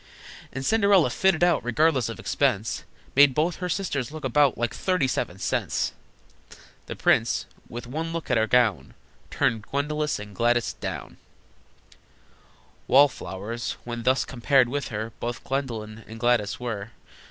And Cinderella, fitted out Regardless of expense, Made both her sisters look about Like thirty seven cents! The prince, with one look at her gown, Turned Gwendolyn and Gladys down! Wall flowers, when thus compared with her, Both Gwendolyn and Gladys were.